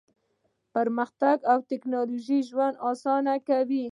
پرمختګ او ټیکنالوژي ژوند اسانه کوي.